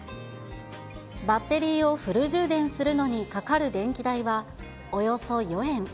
バッテリーをフル充電するのにかかる電気代は、およそ４円。